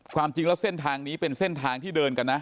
ความจริงแล้วเส้นทางนี้เป็นเส้นทางที่เดินกันนะ